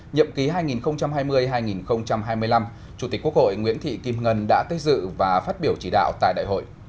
nhậm ký hai nghìn hai mươi hai nghìn hai mươi năm chủ tịch quốc hội nguyễn thị kim ngân đã tới dự và phát biểu chỉ đạo tại đại hội